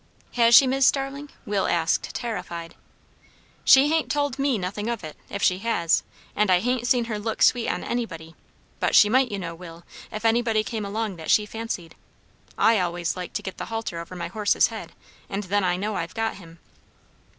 "Has she, Mis' Starling?" Will asked, terrified. "She hain't told me nothing of it, if she has; and I hain't seen her look sweet on anybody; but she might, you know, Will, if anybody came along that she fancied. I always like to get the halter over my horse's head, and then I know I've got him."